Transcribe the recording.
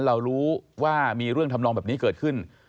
เรารู้ว่ามีเรื่องทำนองแบบนี้เกิดขึ้น